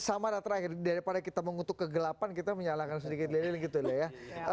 oke sama ada terakhir daripada kita mengutuk kegelapan kita menyalakan sedikit lilin gitu ya